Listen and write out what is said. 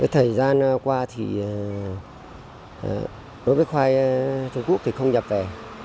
thời gian qua thì đối với khoai trung quốc thì không nhập về